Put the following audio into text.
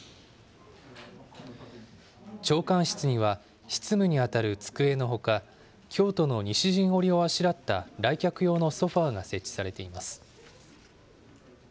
長官室には、執務に当たる机のほか、京都の西陣織をあしらった来客用のソファが設置されています。